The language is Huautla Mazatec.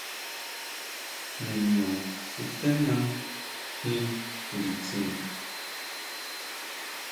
Niño suténa jin nditsin.